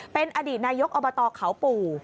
เป็นอดีตนายกอบตเขาปู่